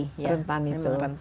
yang memang rentan itu